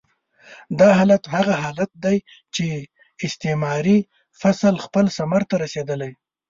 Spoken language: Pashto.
دا حالت هغه حالت دی چې استعماري فصل خپل ثمر ته رسېدلی.